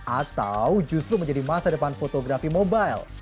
atau justru menjadi masa depan fotografi mobile